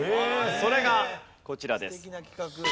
それがこちらです。